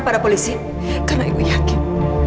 pada polisi karena ibu yakin